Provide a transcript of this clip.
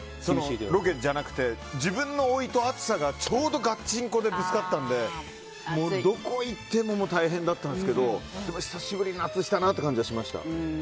ロケじゃなくて自分の老いと暑さがちょうどがっちんこでぶつかったのでどこへ行っても大変だったんですけど久しぶりに夏したなという感じはしました。